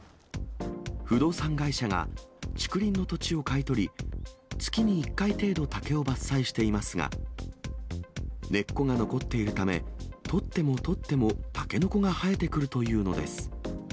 不動産会社が竹林の土地を買い取り、月に１回程度、竹を伐採していますが、根っこが残っているため、取っても取っても、タケノコが生えてくるというのです。